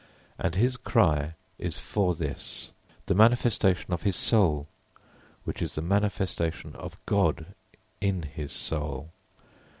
And his cry is for this the manifestation of his soul, which is the manifestation of God in his soul.